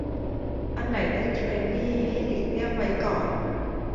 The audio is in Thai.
อันไหนติดเทรนด์นี่ให้หลีกเลี่ยงไว้ก่อน